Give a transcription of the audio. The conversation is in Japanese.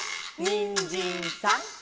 「にんじんさん」